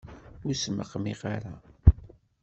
Ur smeqmiq ara!